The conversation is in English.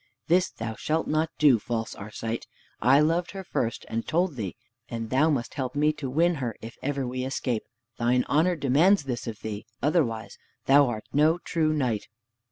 This thou shalt not do, false Arcite! I loved her first, and told thee, and thou must help me to win her if ever we escape. Thine honor demands this of thee. Otherwise thou art no true knight."